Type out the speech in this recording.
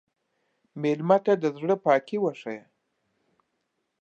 مېلمه ته د زړه پاکي وښیه.